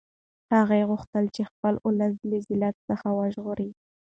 هغه غوښتل خپل اولس له ذلت څخه وژغوري.